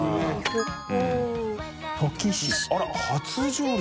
擺圈あら初上陸？